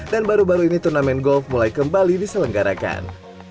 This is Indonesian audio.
dan baru baru ini turnamen golf mulai kembali diselenggarakan